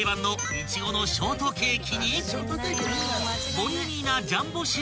［ボリューミーな］